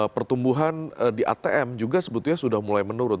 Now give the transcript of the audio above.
pertumbuhan di atm juga sebetulnya sudah mulai menurun